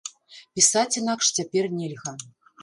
Пісаць інакш цяпер нельга.